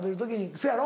そやろ？